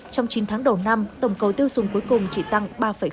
trong chín tháng đầu năm tổng cầu tiêu dùng cuối cùng chỉ tăng ba năm